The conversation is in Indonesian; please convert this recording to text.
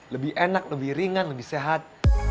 lebih enak lebih ringan lebih sehat